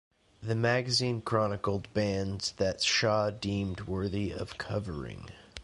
The magazine chronicled bands that Shaw deemed worthy of covering.